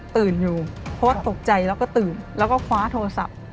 ตื่นอยู่เพราะว่าตกใจแล้วก็ตื่นแล้วก็คว้าโทรศัพท์